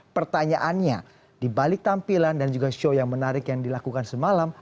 pertanyaannya dibalik tampilan dan juga show yang menarik yang dilakukan semalam